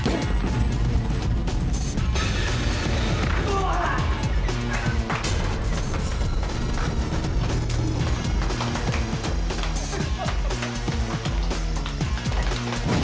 ya kalau mogok ngapain teman